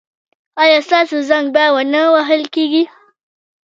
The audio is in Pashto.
ایا ستاسو زنګ به و نه وهل کیږي؟